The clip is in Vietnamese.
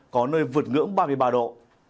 có nơi vượt ngưỡng ba mươi ba độ